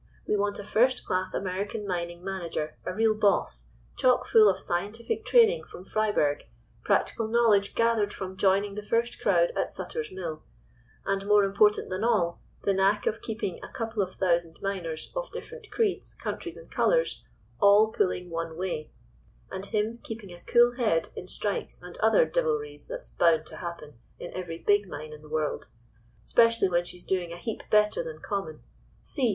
We want a first class American mining manager—a real boss—chock full of scientific training from Freiberg, practical knowledge gathered from joining the first crowd at Sutter's Mill—and more important than all, the knack of keeping a couple of thousand miners, of different creeds, countries and colours, all pulling one way, and him keeping a cool head in strikes and other devilries that's bound to happen in every big mine in the world, specially when she's doin' a heap better than common—see!